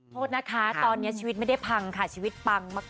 โทษนะคะตอนนี้ชีวิตไม่ได้พังค่ะชีวิตปังมาก